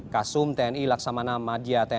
kasum tni laksamana madia tni